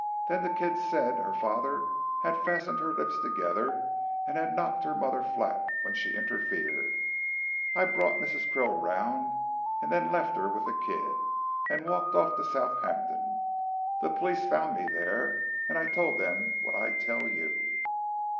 Then the kid said her father had fastened her lips together and had knocked her mother flat when she interfered. I brought Mrs. Krill round and then left her with the kid, and walked off to Southampton. The police found me there, and I told them what I tell you."